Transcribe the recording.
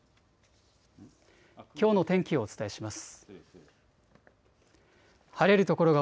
きょうの天気をお伝えします。